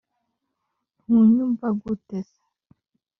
ntunyumva gute se